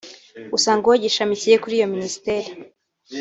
gusa ngo gishamikiye kuri iyo Minisiteri